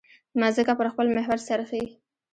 مځکه پر خپل محور څرخي.